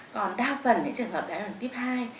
còn đa phần trường hợp đáy áo đường tiếp hai